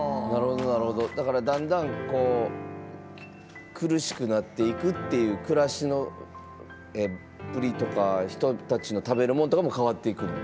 だからだんだん苦しくなっていくっていう暮らしぶりとか人たちの食べるもんとかも変わっていくんや。